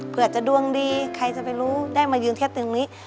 เพื่อจะดวงดีใครจะไปรู้ได้มายืนเทียบตึงนี้